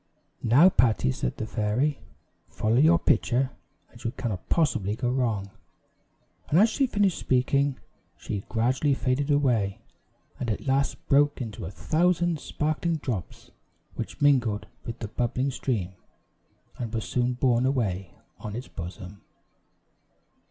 "Now, Patty," said the fairy, "follow your pitcher, and you cannot possibly go wrong;" and as she finished speaking, she gradually faded away, and at last broke into a thousand sparkling drops, which mingled with the bubbling stream, and were soon borne away on its bosom.